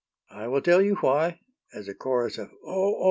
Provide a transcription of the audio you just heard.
I will tell you why " as a chorus of O!